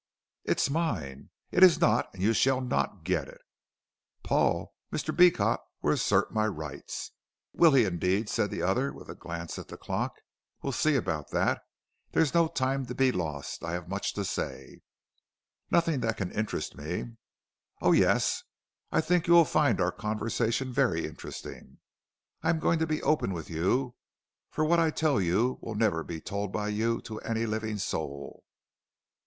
"It is mine." "It is not, and you shall not get it." "Paul Mr. Beecot will assert my rights." "Will he indeed," said the other, with a glance at the clock; "we'll see about that. There's no time to be lost. I have much to say " "Nothing that can interest me." "Oh, yes. I think you will find our conversation very interesting. I am going to be open with you, for what I tell you will never be told by you to any living soul."